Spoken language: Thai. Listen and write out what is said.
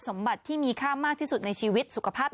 สมบัติที่มีค่ามากที่สุดในชีวิตสุขภาพ